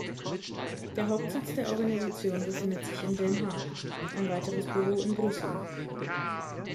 Der Hauptsitz der Organisation befindet sich in Den Haag, ein weiteres Büro in Brüssel.